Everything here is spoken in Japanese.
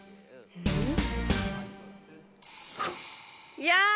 いや！